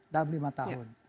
dalam lima tahun